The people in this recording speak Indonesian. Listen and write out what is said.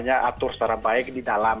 atur secara baik di dalam